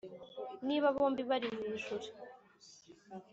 “niba bombi bari mu ijuru?”